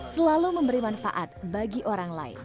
selalu memberi manfaat bagi orang lain